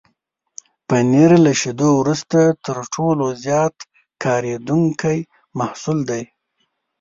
پنېر له شيدو وروسته تر ټولو زیات کارېدونکی محصول دی.